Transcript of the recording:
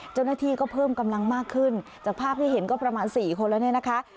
เจ้าหน้าที่ก็เพิ่มกำลังมากขึ้นจากภาพที่เห็นก็ประมาณสี่คนแล้วเนี่ยนะคะ